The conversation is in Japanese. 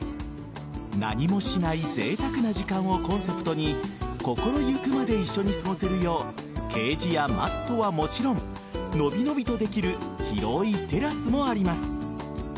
何もしないぜいたくな時間をコンセプトに心ゆくまで一緒に過ごせるようケージやマットはもちろんのびのびとできる広いテラスもあります。